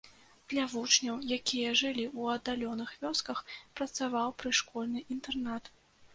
Для вучняў, якія жылі ў аддаленых вёсках, працаваў прышкольны інтэрнат.